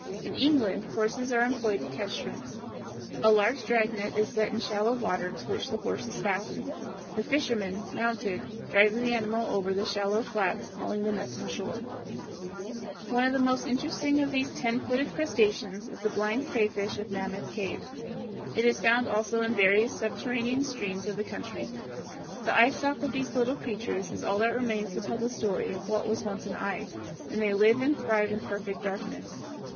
In England horses are employed to catch shrimps. A large dragnet is set in shallow water to which the horse is fastened, the fisherman, mounted, driving the animal over the shallow flats, hauling the nets inshore. [Illustration: FIG. 146. A, prawn; B, claw enlarged.] One of the most interesting of these ten footed crustaceans is the blind crayfish of Mammoth Cave. It is found also in various subterranean streams of the country. The eyestalk of these little creatures is all that remains to tell the story of what was once an eye, and they live and thrive in perfect darkness.